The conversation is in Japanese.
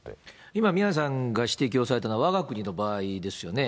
今、宮根さんが指摘をされたのは、わが国の場合ですよね。